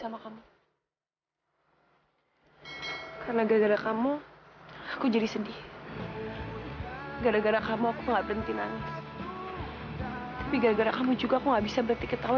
tapi gara gara kamu juga aku gak bisa berhenti ketawa